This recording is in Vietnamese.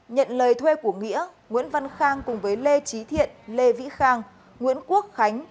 nhận lời thuê của nghĩa nguyễn văn khang cùng với lê trí thiện lê vĩ khang nguyễn quốc khánh